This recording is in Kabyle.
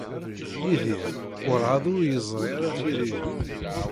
Yidir werɛad ur yeẓri ara tiririt.